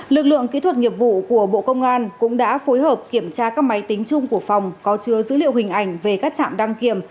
lực lượng kỹ thuật nghiệp vụ của bộ công an cũng đã phối hợp kiểm tra các máy tính chung của phòng có chứa dữ liệu hình ảnh về các trạm đăng kiểm